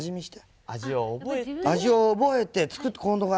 味を覚えて。